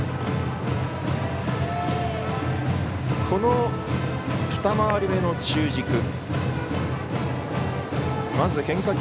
この２回り目の中軸。